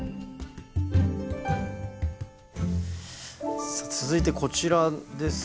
さあ続いてこちらですか？